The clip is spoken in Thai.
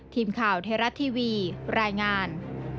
ทีมข่าวเทราะท์ทีวีรายงาน